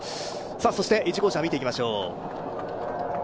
そして１号車見ていきましょう。